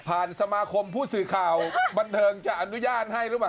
ผ่านสมาคมผู้สื่อข่าวบันเติร์นจะอนุญาณให้รึเปล่า